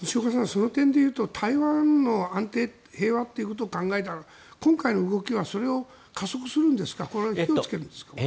そういう意味で言うと台湾の平和と安定を考えたら今回の動きはそれを加速するんですか火をつけるんですか？